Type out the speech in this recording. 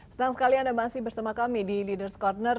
senang sekali anda masih bersama kami di leaders' corner